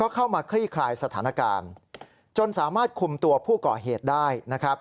เข้ามาคลี่คลายสถานการณ์จนสามารถคุมตัวผู้ก่อเหตุได้นะครับ